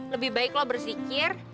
lebih baik lo bersikir